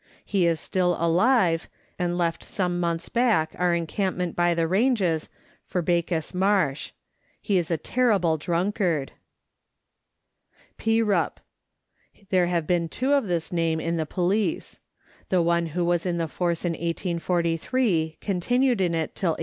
He is still alive, and left some months back our encampment by the ranges for Bacchus Marsh ; he is a terrible drunkard. Peripe (Pee rup}. There have been two of this name in the police. The one who was in the force in 1843 continued in it till 1847.